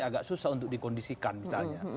agak susah untuk dikondisikan misalnya